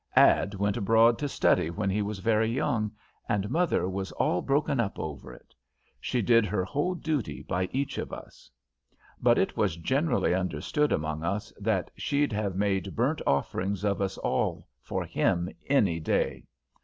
Ad went abroad to study when he was very young, and mother was all broken up over it. She did her whole duty by each of us, but it was generally understood among us that she'd have made burnt offerings of us all for him any day.